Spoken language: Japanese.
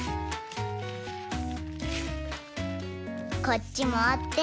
こっちもおって。